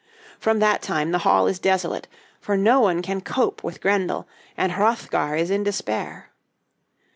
From that time the hall is desolate, for no one can cope with Grendel, and Hrothgar is in despair.